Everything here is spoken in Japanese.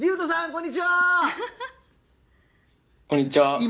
こんにちは。